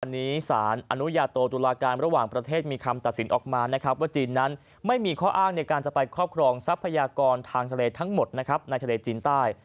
อันนี้สารอนุญาโตตุลาการระหว่างประเทศมีคำตัดสินออกมานะครับว่าจีนนั้นไม่มีข้ออ้างในการจะไปครอบครองทรัพยากรทางทะเลทั้งหมดนะครับในทะเลจีนใต้